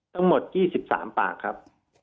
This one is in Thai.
ทั้งหมด๒๓ปากครับ